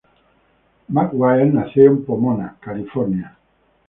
McGwire nació en Pomona, California.